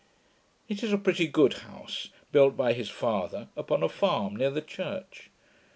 It is a pretty good house, built by his father, upon a farm near the church.